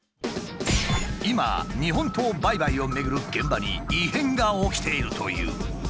今日本刀売買をめぐる現場に異変が起きているという。